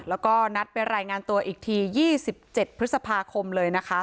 แล้วก็นัดเป็นรายงานตัวอีกทียี่สิบเจ็ดพฤษภาคมเลยนะคะ